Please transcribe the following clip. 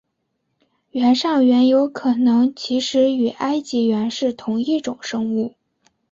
原上猿有可能其实与埃及猿是同一种生物。